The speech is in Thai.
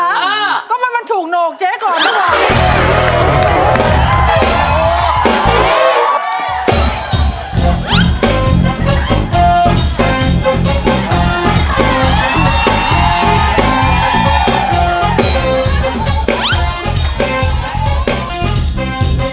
อ่าก็มันมันถูกโหนกเจ๊ก่อนแล้วอ่ะ